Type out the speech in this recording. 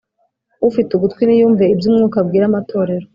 Ufite ugutwi niyumve ibyo Umwuka abwira amatorero.